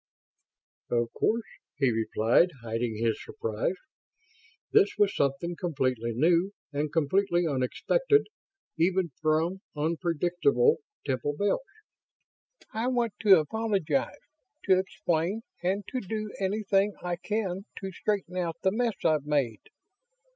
"Of course," he replied, hiding his surprise. This was something completely new and completely unexpected, even from unpredictable Temple Bells. "I want to apologize, to explain and to do anything I can to straighten out the mess I've made.